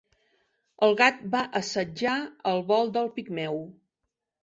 El gat va assetjar el vol del pigmeu.